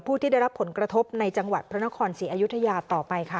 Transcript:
ที่ได้รับผลกระทบในจังหวัดพระนครศรีอยุธยาต่อไปค่ะ